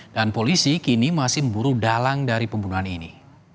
dan polisi kini masih memburu dalang dari pembunuhan ini